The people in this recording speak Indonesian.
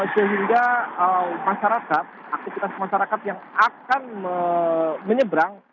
sehingga masyarakat aktivitas masyarakat yang akan menyeberang